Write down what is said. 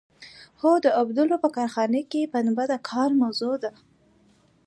هو د اوبدلو په کارخانه کې پنبه د کار موضوع ده.